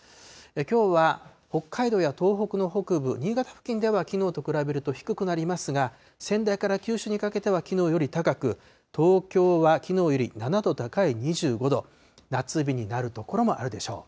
きょうは北海道や東北の北部、新潟付近ではきのうと比べると低くなりますが、仙台から九州にかけてはきのうより高く、東京はきのうより７度高い２５度、夏日になる所もあるでしょう。